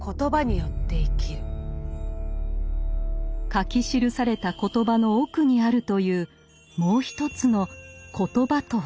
書き記された「言葉」の奥にあるというもう一つの「コトバ」とは？